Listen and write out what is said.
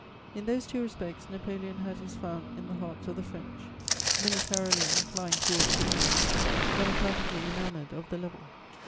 In those two respects, Napoleon had his fount in the hearts of the French, militarily inclined towards dominion, democratically enamoured of the level.